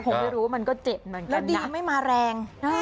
ไม่รู้ว่ามันก็เจ็บเหมือนกันแล้วดีไม่มาแรง